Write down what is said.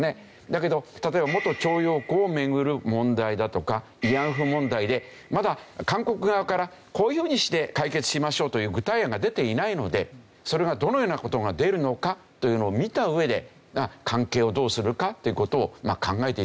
だけど例えば元徴用工を巡る問題だとか慰安婦問題でまだ韓国側からこういうふうにして解決しましょうという具体案が出ていないのでそれがどのような事が出るのかというのを見た上で関係をどうするかという事を考えていかなければいけない。